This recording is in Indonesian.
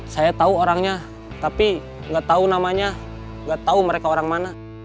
saya tahu orangnya tapi nggak tahu namanya nggak tahu mereka orang mana